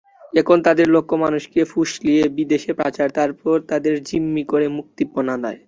এখন তাদের লক্ষ্য মানুষকে ফুসলিয়ে বিদেশে পাচার, তারপর তাদের জিম্মি করে মুক্তিপণ আদায়।